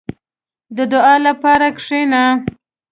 • د دعا لپاره کښېنه.